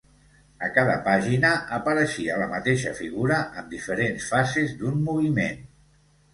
A cada pàgina apareixia la mateixa figura en diferents fases d'un moviment.